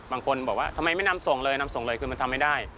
บางคนบอกว่าทำไมไม่นำส่งเลยนำส่งเลยคือมันทำไม่ได้